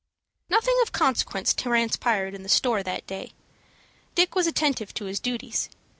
Nothing of consequence transpired in the store that day. Dick was attentive to his duties.